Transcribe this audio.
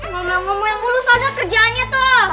ngomong ngomong mulu mulu tada kerjaannya tuh